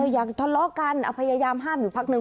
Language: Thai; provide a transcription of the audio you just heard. อยากทะเลาะกันพยายามห้ามอยู่พักนึง